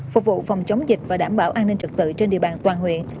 phục vụ phòng chống dịch và đảm bảo an ninh trật tự trên địa bàn toàn huyện